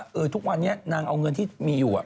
เมื่อกี๊ทุกวันนี้นางเอาเงินที่มีอยู่ล่ะ